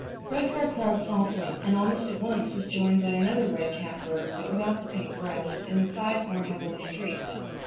Redpoll called softly and almost at once was joined by another red capped bird but without the pink breast, and with sides more heavily streaked.